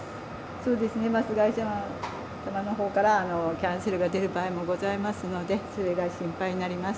そうですね、バス会社様のほうからキャンセルが出る場合もございますので、それが心配になります。